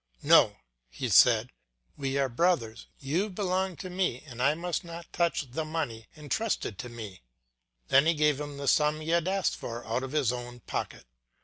"No," said he, "we are brothers, you belong to me and I must not touch the money entrusted to me." Then he gave him the sum he had asked for out of his own pocket.